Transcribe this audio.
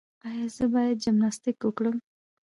ایا زه باید جمناسټیک وکړم؟